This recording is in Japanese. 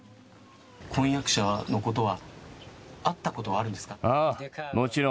婚約者の子とは会ったことはあるんですか。